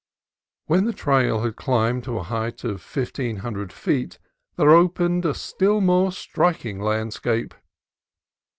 When the trail had climbed to a height of fifteen BONEY MOUNTAIN 69 hundred feet, there opened a still more striking landscape.